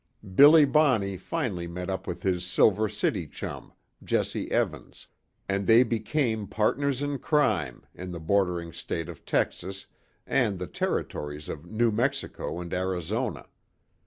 Billy Bonney finally met up with his Silver City chum, Jesse Evans, and they became partners in crime, in the bordering state of Texas, and the Territories of New Mexico and Arizona.